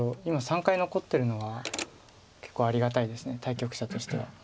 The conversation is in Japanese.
今３回残ってるのは結構ありがたいです対局者としては。